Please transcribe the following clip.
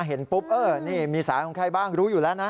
เห็นปุ๊บเออนี่มีสายของใครบ้างรู้อยู่แล้วนะ